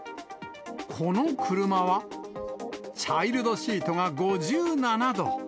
この車は、チャイルドシートが５７度。